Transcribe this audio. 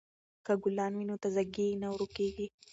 که ګلان وي نو تازه ګي نه ورکیږي.